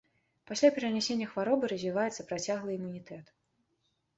Пасля перанясення хваробы развіваецца працяглы імунітэт.